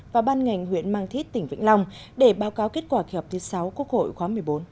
và ban ngành huyện mang thít tỉnh vĩnh long để báo cáo kết quả kỳ họp thứ sáu quốc hội khóa một mươi bốn